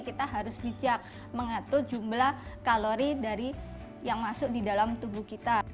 kita harus bijak mengatur jumlah kalori dari yang masuk di dalam tubuh kita